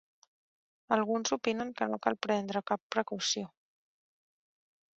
Alguns opinen que no cal prendre cap precaució.